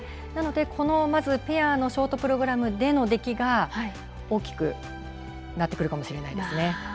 なので、まずペアのショートプログラムの出来が大きくなってくるかもしれないです。